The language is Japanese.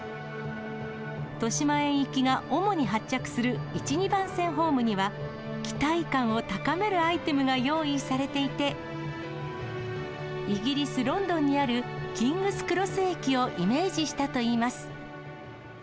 豊島園行きが主に発着する１、２番線ホームには、期待感を高めるアイテムが用意されていて、イギリス・ロンドンにあるキングスクロス駅をイメージしたといいます。